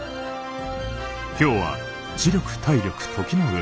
今日は知力体力時の運